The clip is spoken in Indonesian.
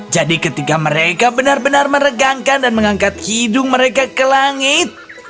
jadi ketika mereka benar benar meregangkan dan mengangkat hidung mereka ke langit